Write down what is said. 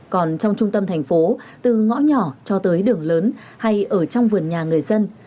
còn trong trung tâm thành phố từ ngõ nhỏ cho tới đường lớn hay ở trong vườn nhà người dân